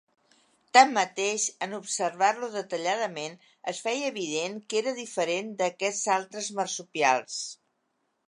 Tanmateix, en observar-lo detalladament es feia evident que era diferent d'aquests altres marsupials.